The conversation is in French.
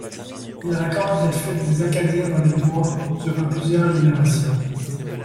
Il raconte la fuite des Acadiens dans les bois durant plusieurs générations.